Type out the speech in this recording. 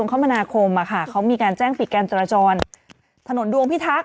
กภมีการแจ้งปิดการจรจรถนนดวงพิทักษ์